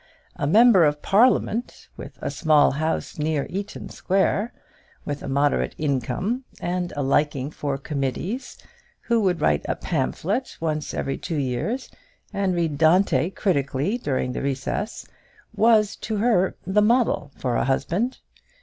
A Member of Parliament, with a small house near Eaton Square, with a moderate income, and a liking for committees, who would write a pamphlet once every two years, and read Dante critically during the recess, was, to her, the model for a husband.